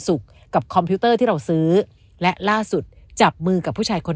กับคอมพิวเตอร์ที่เราซื้อและล่าสุดจับมือกับผู้ชายคน